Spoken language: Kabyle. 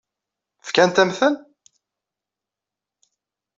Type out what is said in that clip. Fkant-am-ten?